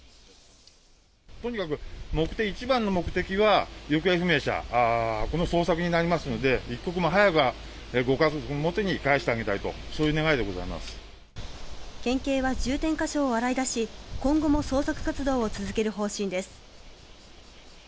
とにかく一番の目的は行方不明者、この捜索になりますので、一刻も早く、ご家族のもとに返してあげたいと、県警は重点か所を洗い出し、今後も捜索活動を続ける方針です。